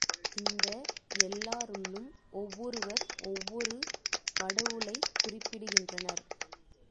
இந்த எல்லாருள்ளும் ஒவ்வொருவர் ஒவ்வொரு கடவுளைக்குறிப்பிடுகின்றனர்.